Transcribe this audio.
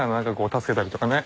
助けたりとかね。